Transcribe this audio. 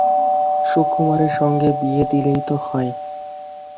সুকুমারের সঙ্গে বিয়ে দিলেই তো হয়।